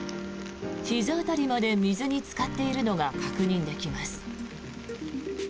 ひざ辺りまで水につかっているのが確認できます。